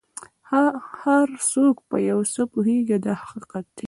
هر څوک په یو څه پوهېږي دا حقیقت دی.